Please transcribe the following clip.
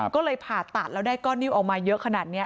ก็เลยผ่าตัดแล้วได้ก้อนนิ้วออกมาเยอะขนาดนี้